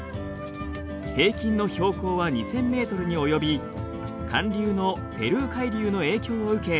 平均の標高は２，０００ｍに及び寒流のペルー海流の影響を受け